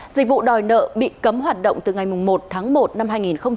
dịch vụ đòi nợ bị cấm hoạt động từ ngày một tháng một năm hai nghìn hai mươi